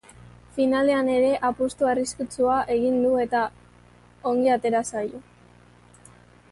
Finalean ere, apustu arriskutsua egin du eta ongi atera zaio.